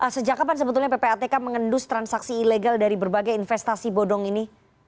sejak kapan sebetulnya ppatk mengendus transaksi ilegal dari berbagai investasi bodong ini